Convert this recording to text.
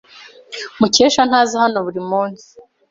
Mukesha ntaza hano buri munsi.